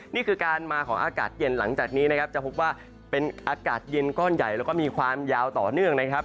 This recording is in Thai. นี่คือการมาของอากาศเย็นหลังจากนี้นะครับจะพบว่าเป็นอากาศเย็นก้อนใหญ่แล้วก็มีความยาวต่อเนื่องนะครับ